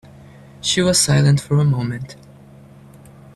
She was silent for a moment.